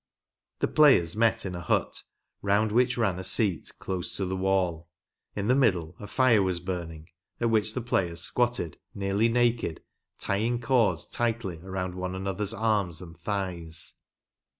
The players met in a hut, round which ran a seat close to the wall ; in the middle a fire was burning, at which the players squatted, nearly naked, tying cords tightly THE ORIGINAL GAME. 19 around one another's arms and thighs.